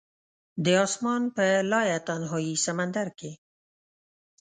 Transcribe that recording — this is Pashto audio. د اسمان په لایتناهي سمندر کې